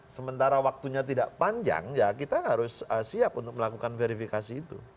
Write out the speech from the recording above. sementara waktunya tidak panjang ya kita harus siap untuk melakukan verifikasi itu